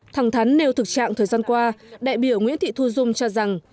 thẳng thắn nêu thực trạng thời gian qua đại biểu nguyễn thị thu dung cho rằng